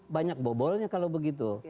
banyak bobolnya kalau begitu